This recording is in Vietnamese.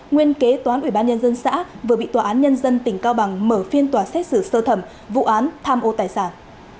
nguyên kế toán ủy ban nhân dân xã vừa bị tòa án nhân dân tỉnh cao bằng mở phiên tòa xét xử sơ thẩm vụ án tham ô tài sản